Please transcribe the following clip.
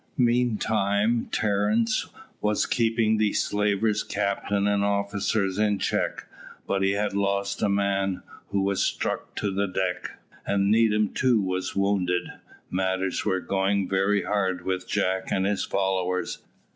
Meantime Terence was keeping the slaver's captain and officers in check, but he had lost a man, who was struck to the deck, and Needham too was wounded. Matters were going very hard with Jack and his followers.